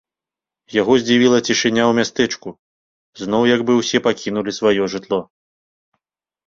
Яго здзівіла цішыня ў мястэчку, зноў як бы ўсе пакінулі сваё жытло.